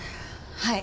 はい。